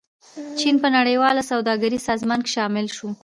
چین په نړیواله سوداګریزې سازمان کې شامل شو.